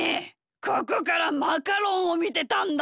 ここからマカロンをみてたんだ。